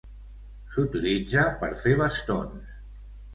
S'utilitza per fer bastons.